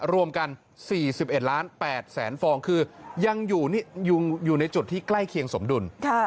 รวมกัน๔๑ล้าน๘แสนฟองคือยังอยู่ในจุดที่ใกล้เคียงสมดุล